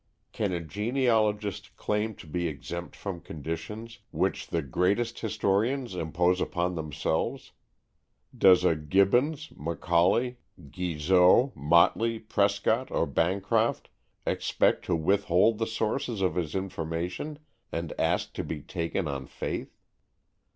Can a genealogist claim to be exempt from conditions which the greatest historians impose upon themselves? Does a Gibbons, Macaulay, Guizot, Motley, Prescott or Bancroft expect to withhold the sources of his information and ask to be taken on faith?